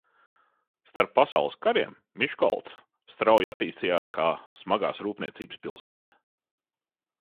Starp pasaules kariem Miškolca strauji attīstījās kā smagās rūpniecības pilsēta.